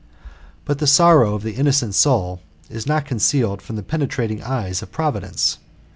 But the sorrow of the innocent soul is not concealed from the penetrating eyes of Providence.